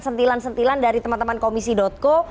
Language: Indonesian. sentilan sentilan dari teman teman komisi co